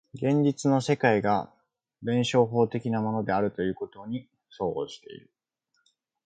現実の世界が弁証法的なものであるということに相応している。